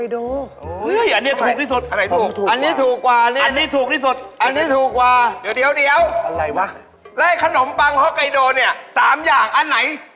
ถูกที่โสด